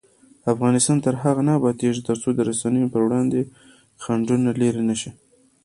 افغانستان تر هغو نه ابادیږي، ترڅو د رسنیو پر وړاندې خنډونه لیرې نشي.